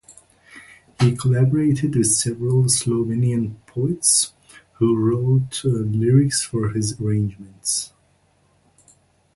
He collaborated with several Slovenian poets who wrote lyrics for his arrangements.